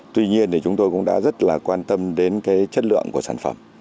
tuy nhiên thì chúng tôi cũng đã rất là quan tâm đến cái chất lượng của sản phẩm